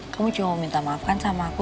kamu cuma mau minta maaf kan sama aku